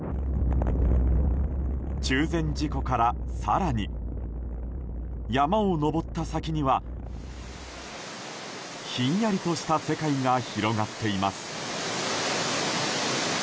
中禅寺湖から更に山を登った先にはひんやりとした世界が広がっています。